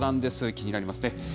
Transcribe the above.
気になりますね。